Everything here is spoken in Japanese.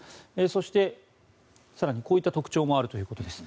そして更にこういった特徴もあるということです。